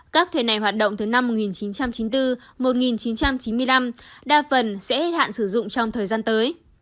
các thẻ này hoạt động từ năm một nghìn chín trăm chín mươi bốn một nghìn chín trăm chín mươi năm đa phần sẽ hết hạn sử dụng trong thời gian tới